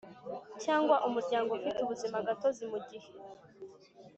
Cyangwa umuryango ufite ubuzimagatozi mu gihe